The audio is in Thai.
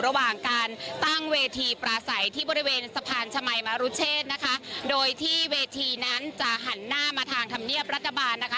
ระหว่างการตั้งเวทีปราศัยที่บริเวณสะพานชมัยมรุเชษนะคะโดยที่เวทีนั้นจะหันหน้ามาทางธรรมเนียบรัฐบาลนะคะ